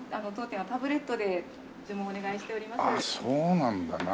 当店はタブレットで注文お願いしております。